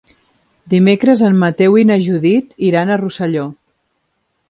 Dimecres en Mateu i na Judit iran a Rosselló.